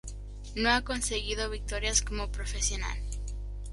No ha conseguido victorias como profesional